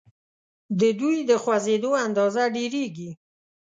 د دوی د خوځیدو اندازه ډیریږي.